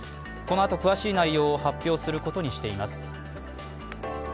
このあと、詳しい内容を発表することにしています。